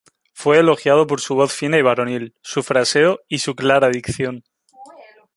Fue elogiado por su voz fina y varonil, su fraseo y su clara dicción.